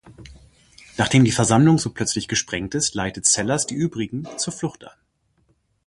Nachdem die Versammlung so plötzlich gesprengt ist, leitet Sellars die Übrigen zur Flucht an.